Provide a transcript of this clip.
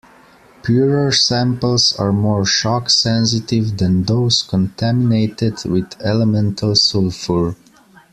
Purer samples are more shock-sensitive than those contaminated with elemental sulfur.